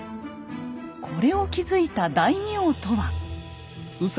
これを築いた大名とは。